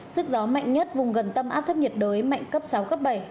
sức gió mạnh nhất vùng gần tâm áp thấp nhiệt đới mạnh cấp sáu cấp bảy